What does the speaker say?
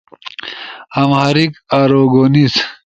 آمہاریک، آروگونیز